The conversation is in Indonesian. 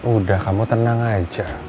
udah kamu tenang aja